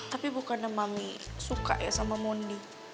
tapi bukan demami suka ya sama mondi